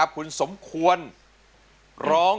คุณสมควรร้อง